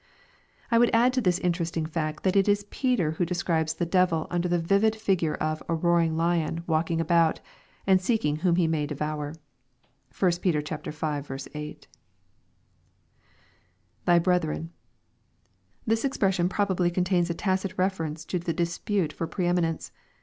I wou'd add to this the interesting fact that it is Peter who de scribes the devil under the vivid figure of a " roaring hon," walking about, and seeking whom he may devour. (1 Pet. v. 8.) [Thy brethren.] This expression probably contains a tacit refer ence to the dispute for pre eminence.